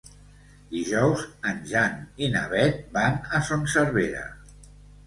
Dijous en Jan i na Beth van a Son Servera.